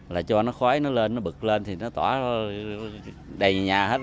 là cho nó khói nó lên nó bực lên thì nó tỏa đầy nhà hết